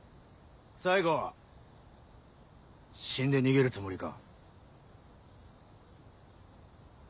最後は死んで逃げるつもりか。